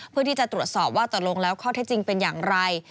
เพื่อที่จะตรวจสอบว่าตกลงแล้วข้อเท็จจริงเป็นอย่างไร